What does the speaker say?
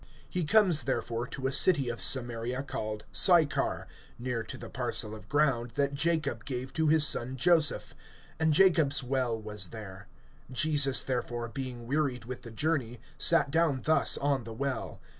(5)He comes therefore to a city of Samaria, called Sychar[4:5], near to the parcel of ground that Jacob gave to his son Joseph. (6)And Jacob's well was there. Jesus therefore, being wearied with the journey, sat down thus on the well.